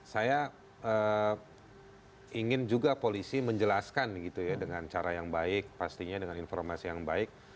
saya ingin juga polisi menjelaskan gitu ya dengan cara yang baik pastinya dengan informasi yang baik